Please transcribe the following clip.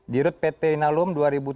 dirut pt nalum